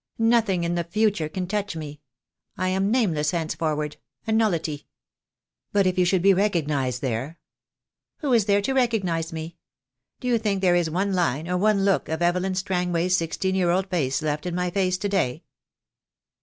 Nothing in the future can touch me. I am nameless henceforward, a nullity." "But if you should be recognized there?" "Who is there to recognize me? Do you think there is one line or one look of Evelyn Strangway's sixteen year old face left in my face to day?"